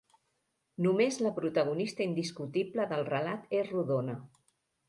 Només la protagonista indiscutible del relat és rodona.